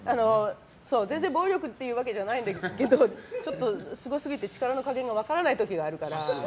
全然、暴力っていうわけじゃないんだけどちょっとすごすぎて、力の加減が分からない時があるから。